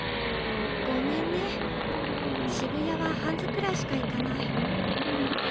ごめんね渋谷は「ハンズ」くらいしか行かない。